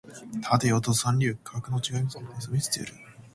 立てよド三流格の違いってやつを見せてやる